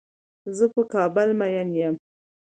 زۀ په کابل مين يم.